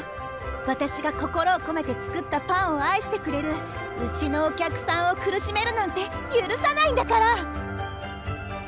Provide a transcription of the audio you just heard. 私が心を込めて作ったパンを愛してくれるうちのお客さんを苦しめるなんて許さないんだから！